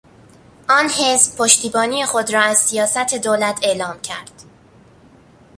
آن حزب پشتیبانی خود را از سیاست دولت اعلام کرد.